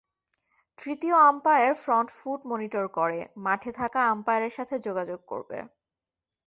তৃতীয় umpire front foot monitor করে, মাঠে থাকা আম্পায়ারের সাথে যোগাযোগ করবে।